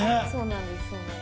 そうなんです。